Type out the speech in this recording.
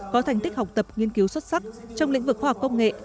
có thành tích học tập nghiên cứu xuất sắc trong lĩnh vực khoa học công nghệ